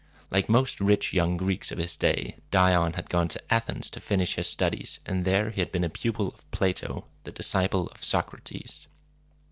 Like most rich young Greeks of his day, Dion had gone to Athens to finish his studies; and there he had been a pupil of Plato, the disciple of Socrates.